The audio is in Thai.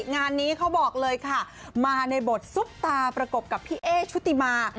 งานนี้เขาบอกเลยค่ะมาในบทซุปตาประกบกับพี่เอ๊ชุติมา